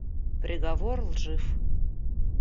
Приговор лжив.